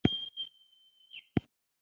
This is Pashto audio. تاسو ډیر مهربانه یاست.